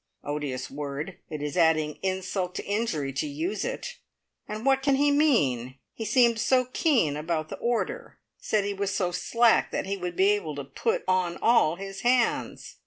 Odious word. It is adding insult to injury to use it. And what can he mean? He seemed so keen about the order. Said he was so slack that he would be able to put on all his hands!"